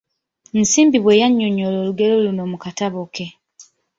Nsimbi bwe yannyonyola olugero luno mu katabo ke.